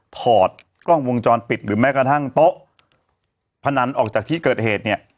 ถอดกล้องวงจรปิดหรือแม้กระทั่งโต๊ะพนันออกจากที่เกิดเหตุเนี่ย